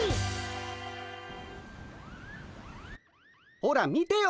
ほら見てよ